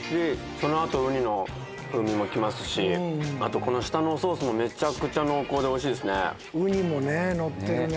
そのあと、ウニの風味もきますし、あとこの下のソースもめっちゃくちゃ濃厚ウニもね、載ってるね。